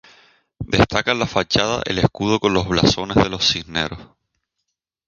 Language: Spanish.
Destaca en la fachada el escudo con los blasones de los Cisneros.